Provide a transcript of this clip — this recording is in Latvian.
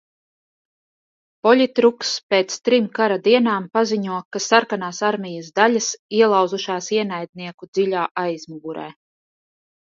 Poļitruks, pēc trim kara dienām, paziņo, ka sarkanās armijas daļas ielauzušās ienaidnieku dziļā aizmugurē.